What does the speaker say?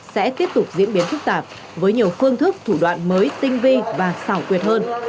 sẽ tiếp tục diễn biến phức tạp với nhiều phương thức thủ đoạn mới tinh vi và xảo quyệt hơn